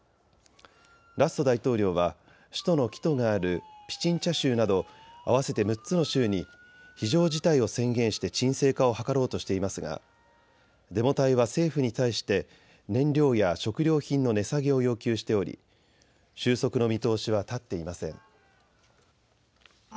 ラッソ大統領は首都のキトがあるピチンチャ州など合わせて６つの州に非常事態を宣言して沈静化を図ろうとしていますがデモ隊は政府に対して燃料や食料品の値下げを要求しており収束の見通しは立っていません。